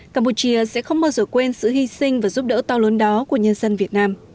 campuchia sẽ không bao giờ quên sự hy sinh và giúp đỡ to lớn đó của nhân dân việt nam